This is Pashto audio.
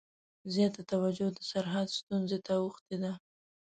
زیاته توجه د سرحد ستونزې ته اوښتې ده.